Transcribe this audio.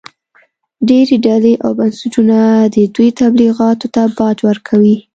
ډېرې ډلې او بنسټونه د دوی تبلیغاتو ته باج ورکوي